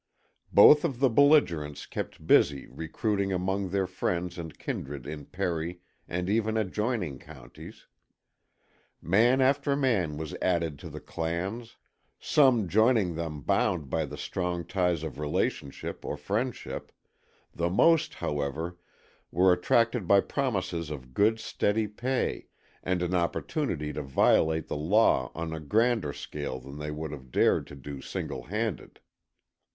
Both of the belligerents kept busy recruiting among their friends and kindred in Perry and even adjoining counties. Man after man was added to the clans, some joining them bound by the strong ties of relationship or friendship, the most, however, were attracted by promises of good steady pay, and an opportunity to violate the law on a grander scale than they would have dared to do single handed.